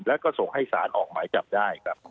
แล้วก็ส่งให้สารออกหมายจับได้ครับ